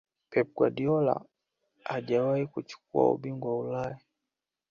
pep guardiola hajawahi kuchukua ubingwa wa ulaya